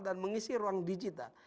dan mengisi ruang digital